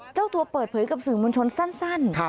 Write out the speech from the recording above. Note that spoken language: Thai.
เจ้าตัวเปิดเผยกับสื่อมวลชนสั้น